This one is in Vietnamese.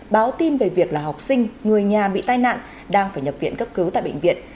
báo tin về việc là học sinh người nhà bị tai nạn đang phải nhập viện cấp cứu tại bệnh viện